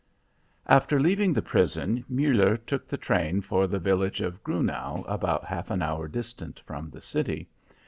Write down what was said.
After leaving the prison, Muller took the train for the village of Grunau, about half an hour distant from the city.